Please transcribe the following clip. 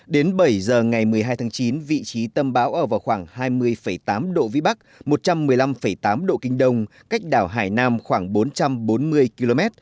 đến bảy giờ ngày một mươi hai tháng chín vị trí tâm bão ở vào khoảng hai mươi tám độ vĩ bắc một trăm một mươi năm tám độ kinh đông cách đảo hải nam khoảng bốn trăm bốn mươi km